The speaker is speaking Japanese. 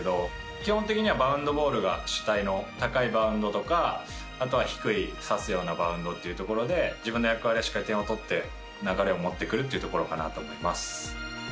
基本的にバウンドボールが主体の高いバウンドとか低い刺すようなバウンドというところで自分の役割で点を取って流れを持ってくるというところかなと思います。